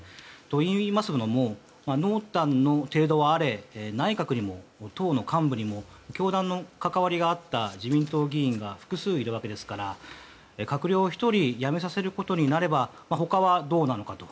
といいますのも濃淡の程度はあれ内閣にも、党の幹部にも教団との関わりがあった自民党議員が複数いるわけですから閣僚１人辞めさせることになれば他はどうなのかと。